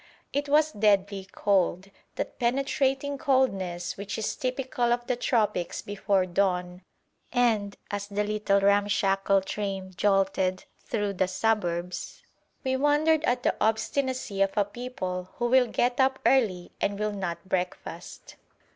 It was deadly cold, that penetrating coldness which is typical of the tropics before dawn, and, as the little ramshackle train jolted through the suburbs, we wondered at the obstinacy of a people who will get up early and will not breakfast.